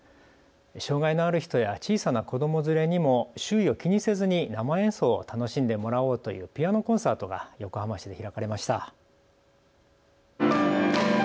障害のある人や小さな子ども連れにも周囲を気にせずに生演奏を楽しんでもらおうというピアノコンサートが横浜市で開かれました。